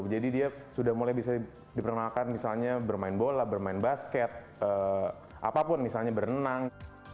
jadi dia sudah mulai bisa diperkenalkan misalnya bermain bola bermain basket apapun misalnya berenang